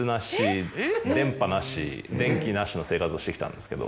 の生活をしてきたんですけど。